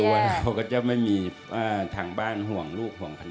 เราก็จะไม่มีทางบ้านห่วงลูกห่วงกัน